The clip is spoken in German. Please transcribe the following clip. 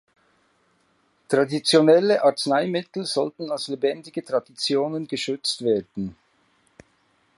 Traditionelle Arzneimittel sollten als lebendige Traditionen geschützt werden.